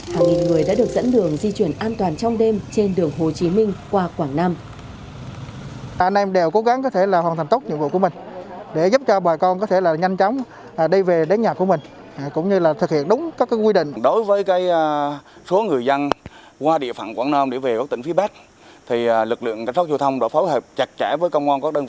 hàng nghìn người đã được dẫn đường di chuyển an toàn trong đêm trên đường hồ chí minh qua quảng nam